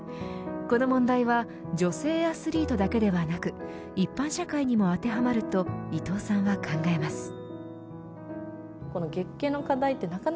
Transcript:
この問題は女性アスリートだけでなく一般社会にも当てはまると伊藤さんは考えます。